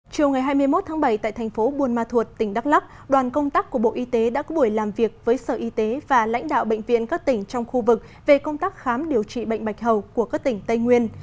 chiều ngày hai mươi một tháng bảy tại thành phố buôn ma thuột tỉnh đắk lắc đoàn công tác của bộ y tế đã có buổi làm việc với sở y tế và lãnh đạo bệnh viện các tỉnh trong khu vực về công tác khám điều trị bệnh bạch hầu của các tỉnh tây nguyên